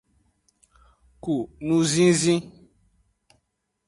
Ku nuzinzin.